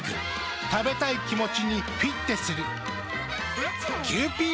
食べたい気持ちにフィッテする。